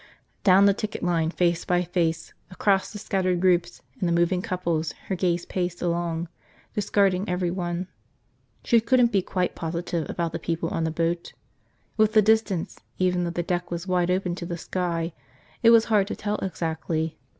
Down the ticket line face by face, across the scattered groups and the moving couples her gaze paced along, discarding everyone. She couldn't be quite positive about the people on the boat. With the distance, even though the deck was wide open to the sky, it was hard to tell exactly.